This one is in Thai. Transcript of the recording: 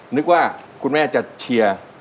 นึกว่าคุณแม่จะเชียร์